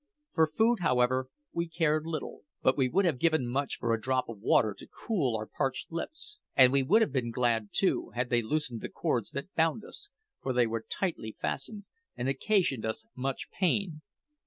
For food, however, we cared little; but we would have given much for a drop of water to cool our parched lips. And we would have been glad, too, had they loosened the cords that bound us; for they were tightly fastened, and occasioned us much pain.